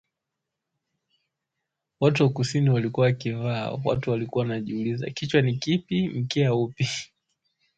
watu wa kusini wakivaa watu walikuwa wanajiuliza kichwa kipi mkia upi